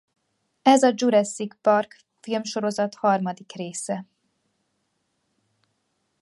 Ez a Jurassic Park filmsorozat harmadik része.